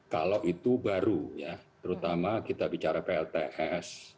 kalau itu baru ya terutama kita bicara plts